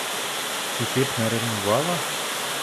І ти б не ревнувала?